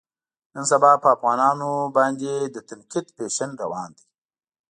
نن سبا په افغانانو باندې د تنقید فیشن روان دی.